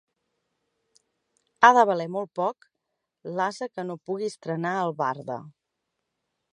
Ha de valer molt poc l'ase que no pugui estrenar albarda.